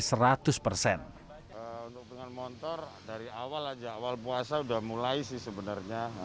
untuk pengiriman motor dari awal aja awal puasa udah mulai sih sebenernya